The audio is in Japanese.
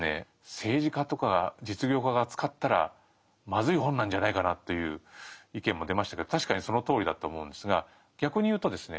「政治家とか実業家が使ったらまずい本なんじゃないかな？」という意見も出ましたけど確かにそのとおりだと思うんですが逆に言うとですね